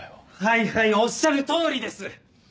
はいはいおっしゃる通りです。